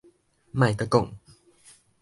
莫閣講